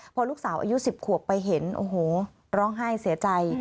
พอลูกสาวอายุ๑๐ขวบไปเห็นโอ้โหร้องไห้เสียใจ